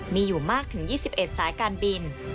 มีอยู่มากถึง๒๑สายการบิน